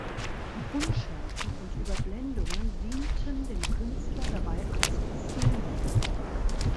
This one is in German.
Unschärfen und Überblendungen dienten dem Künstler dabei als Stilmittel.